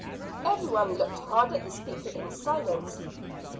Every one looked hard at the speaker in silence.